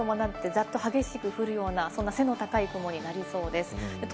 関東北部では雷を伴ってざっと激しく降るような、そんな背の高い雲になりそうです。